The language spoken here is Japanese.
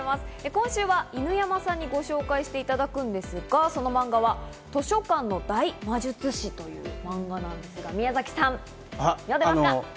今週は犬山さんにご紹介していただくんですが、その漫画は『図書館の大魔術師』というマンガなんですが、宮崎さん。